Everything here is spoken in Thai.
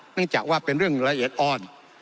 เนื่องจากว่าเป็นเรื่องละเอียดอ่อน